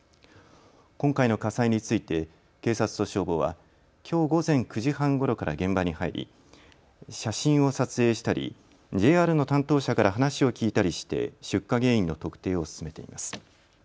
今回の火災について警察と消防はきょう午前９時半ごろから現場に入り写真を撮影したりＪＲの担当者から話を聞いたりして出火原因の特定を進めています。